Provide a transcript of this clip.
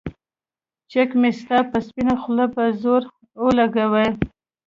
چک مې ستا پۀ سپينه خله پۀ زور اولګوو